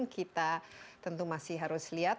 kita tentu masih harus lihat